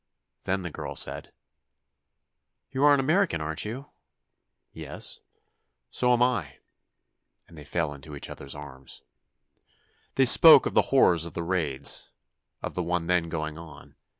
Then the girl said: "You are an American, aren't you?" "Yes." "So am I," and they fell into each other's arms. They spoke of the horrors of the raids—of the one then going on.